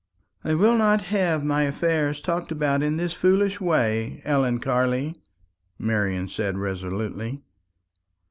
"I will not have my affairs talked about in this foolish way, Ellen Carley," Marian said resolutely.